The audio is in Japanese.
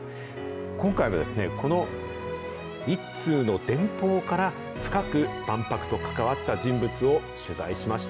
今回は、この一通の電報から深く万博と関わった人物を取材しました。